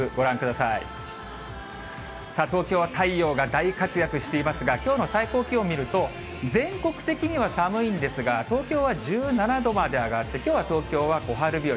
さあ、東京は太陽が大活躍していますが、きょうの最高気温を見ると、全国的には寒いんですが、東京は１７度まで上がって、きょうは東京は小春日和。